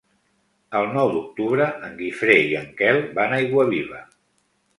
El nou d'octubre en Guifré i en Quel van a Aiguaviva.